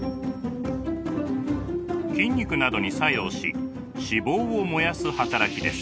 筋肉などに作用し脂肪を燃やす働きです。